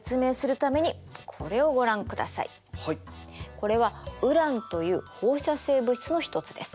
これはウランという放射性物質の一つです。